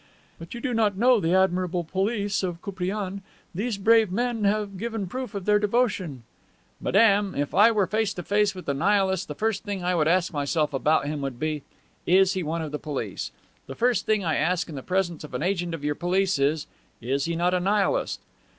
"But you do not know the admirable police of Koupriane. These brave men have given proof of their devotion." "Madame, if I were face to face with a Nihilist the first thing I would ask myself about him would be, 'Is he one of the police?' The first thing I ask in the presence of an agent of your police is, 'Is he not a Nihilist?